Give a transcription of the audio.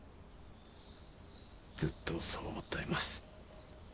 ずっとそう思っとります。